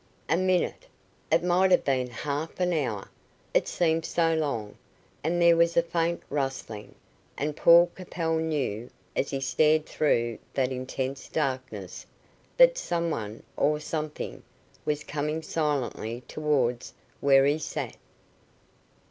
A minute it might have been half an hour, it seemed so long and there was a faint rustling, and Paul Capel knew, as he stared through that intense darkness, that some one, or something, was coming silently towards where he sat.